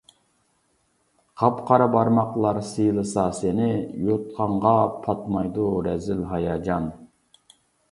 قاپقارا بارماقلار سىيلىسا سېنى، يوتقانغا پاتمايدۇ رەزىل ھاياجان!